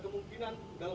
pak menanyakan tanggapan